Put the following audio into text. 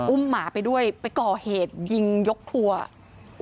อุ้มหมาไปด้วยไปก่อเหตุยิงยกทัวร์